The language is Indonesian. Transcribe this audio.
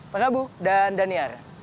pak rabu dan daniar